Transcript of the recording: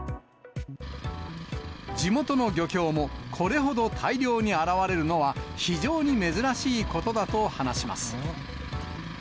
地元の漁協も、これほど大量に現れるのは、非常に珍しいことだと話します。